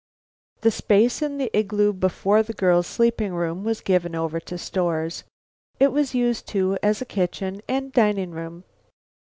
The space in the igloo before the girls' sleeping room was given over to stores. It was used too as kitchen and dining room.